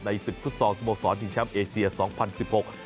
ในศึกทศสโมสรชิงช้ำเอเชียร์๒๐๑๖